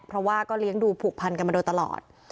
เพราะว่าก็เลี้ยงดูผูกพันกันมาโดยตลอด